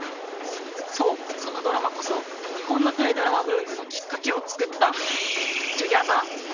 そう、そのドラマこそ日本のタイドラマブームのきっかけを作った「２ｇｅｔｈｅｒ」。